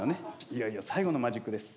いよいよ最後のマジックです。